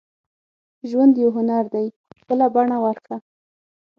• ژوند یو هنر دی، خپله بڼه ورکړه.